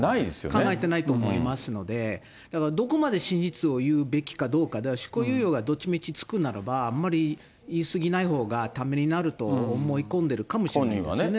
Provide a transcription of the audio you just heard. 考えてないと思いますので、どこまで真実を言うべきかどうか、執行猶予がどっちみちつくならば、あんまり言い過ぎないほうがためになると思い込んでるかもしれな本人はね。